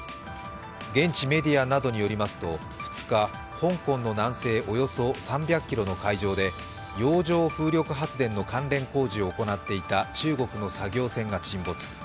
現地メディアなどによりますと２日、香港の南西およそ３００ｋｍの海上で、洋上風力発電の関連工事を行っていた中国の作業船が沈没。